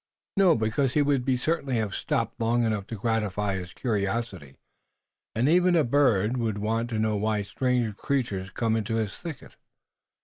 "No, because he would certainly have stopped long enough to gratify his curiosity. Even a bird would want to know why strange creatures come into his thicket."